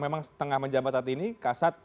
memang setengah menjabat saat ini kasat